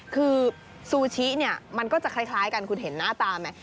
คือซูชิเนี่ยมันก็จะคล้ายกันคุณเห็นหน้าตาไหม